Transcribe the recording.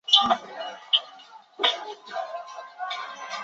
火鸡肉大多都经过食品加工。